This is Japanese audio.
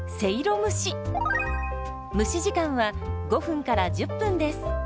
蒸し時間は５１０分です。